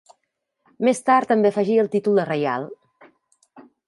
Més tard també afegí el títol de reial.